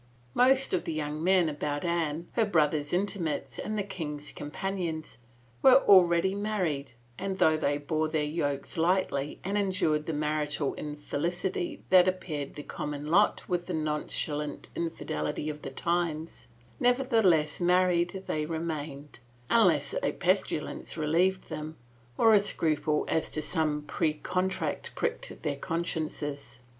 Most of the young men about Anne, her brother's intimates and the king's companions, were already mar ried, and though they bore their yokes lightly and en dured the marital infelicity that appeared the common lot with the nonchalant infidelity of the times, neverthe less married they remained, unless a pestilence relieved them, or a scruple as to some precontract pricked their consciences.